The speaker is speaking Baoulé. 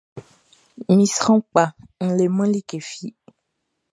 Mi sran kpa n leman like fi.